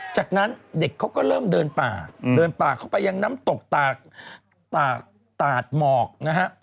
จากนั้นเด็กเขาก็เริ่มเดินป่าเดินป่าเข้าไปยังน้ำตกตาดหมอกนะฮะ